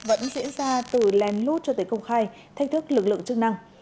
vẫn diễn ra từ lén lút cho tới công khai thách thức lực lượng chức năng